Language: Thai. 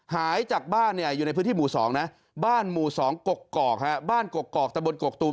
หายจากบ้านอยู่ในพื้นที่หมู่๒นะบ้านหมู่๒กกอกบ้านกกอกตะบนกกตูม